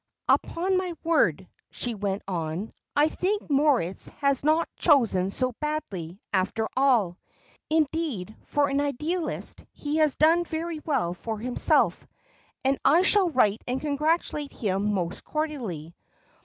Upon my word," she went on, "I think Moritz has not chosen so badly, after all. Indeed, for an idealist, he has done very well for himself, and I shall write and congratulate him most cordially.